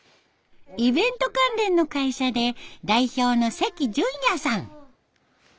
イベント関連の会社で代表の関潤也さん。